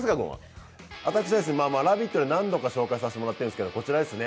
「ラヴィット！」で何度か紹介させてもらっているんですけど、こちらですね。